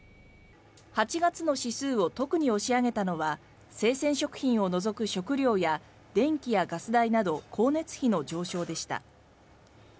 ８月の指数を特に押し上げたのは生鮮食品を除く食料や電気やガス代など光熱費の上昇でした。